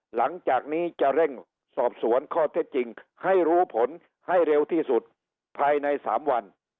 หลังจากนี้จะเร่งสอบสวนข้อเท็จจริงให้รู้ผลให้เร็วที่สุดภายใน๓วัน